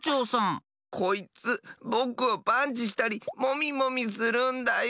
こいつぼくをパンチしたりモミモミするんだよ。